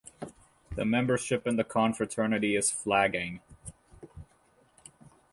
The membership in the confraternity is flagging.